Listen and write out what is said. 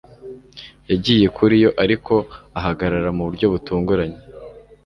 yagiye kuri yo ariko ahagarara mu buryo butunguranye